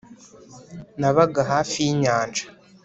nabaga hafi y'inyanja